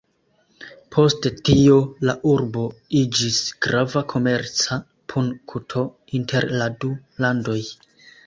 Post tio la urbo iĝis grava komerca punkto inter la du landoj.